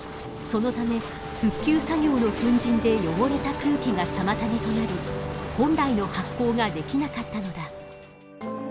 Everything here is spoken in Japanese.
そのため復旧作業の粉塵で汚れた空気が妨げとなり本来の発酵ができなかったのだ。